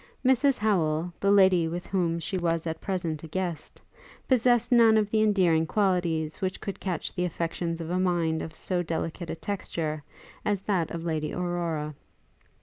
Mrs Howel, the lady with whom she was at present a guest, possessed none of the endearing qualities which could catch the affections of a mind of so delicate a texture as that of Lady Aurora.